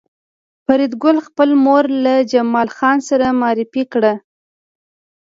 فریدګل خپله مور له جمال خان سره معرفي کړه